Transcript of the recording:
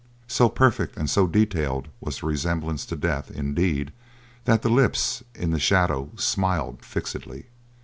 So perfect and so detailed was the resemblance to death, indeed, that the lips in the shadow smiled fixedly.